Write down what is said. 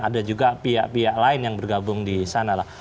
ada juga pihak pihak lain yang bergabung di sana lah